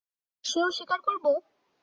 সেও স্বীকার করব?